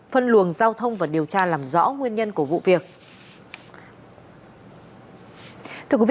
phân luồng giao thông và điều tra làm rõ nguyên nhân của vụ việc